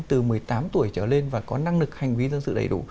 từ một mươi tám tuổi trở lên và có năng lực hành vi dân sự đầy đủ